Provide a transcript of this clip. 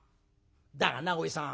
だがなおじさん